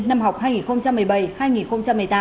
năm học hai nghìn một mươi bảy hai nghìn một mươi tám